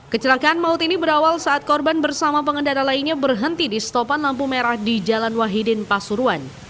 kecelakaan maut ini berawal saat korban bersama pengendara lainnya berhenti di stopan lampu merah di jalan wahidin pasuruan